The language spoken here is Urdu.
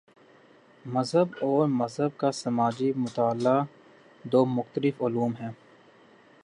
مذہب اور مذہب کا سماجی مطالعہ دو مختلف علوم ہیں۔